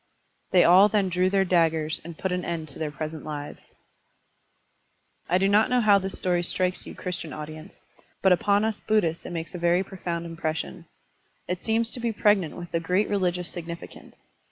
They all then drew their daggers and put an end to their present lives. I do not know how this story strikes you Christian audience, but upon us Buddhists it makes a very profound impression. It seems to be pregnant with a great religious significance.